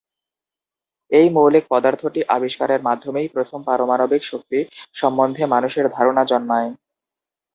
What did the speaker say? এই মৌলিক পদার্থটি আবিষ্কারের মাধ্যমেই প্রথম পারমাণবিক শক্তি সম্বন্ধে মানুষের ধারণা জন্মায়।